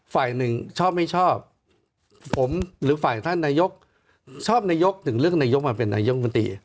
ฝ่ายหนึ่งชอบไม่ชอบผมหรือฝ่ายท่านนายกชอบนายกถึงเลือกนายกมาเป็นนายกมนตรี